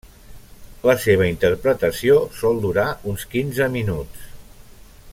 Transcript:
La seva interpretació sol durar uns quinze minuts.